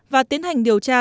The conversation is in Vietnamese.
và tiến hành điều tra